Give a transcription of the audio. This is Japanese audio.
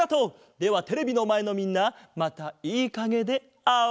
ではテレビのまえのみんなまたいいかげであおう。